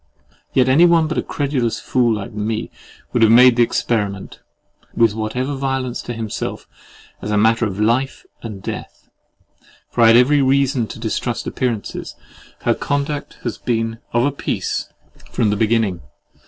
Yet any one but a credulous fool like me would have made the experiment, with whatever violence to himself, as a matter of life and death; for I had every reason to distrust appearances. Her conduct has been of a piece from the beginning.